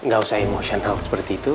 gak usah emosional seperti itu